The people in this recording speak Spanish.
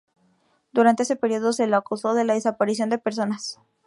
Durante ese período se lo acusó de la desaparición de personas.